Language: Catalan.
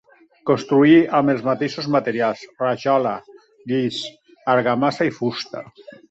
Construí amb els mateixos materials: rajola, guix, argamassa i fusta.